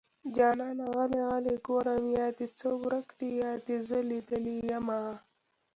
جانانه غلی غلی ګورې يا دې څه ورک دي يا دې زه ليدلې يمه